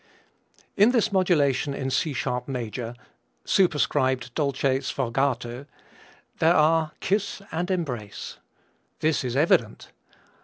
In this modulation in C sharp major superscribed dolce sfogato there are kiss and embrace! This is evident!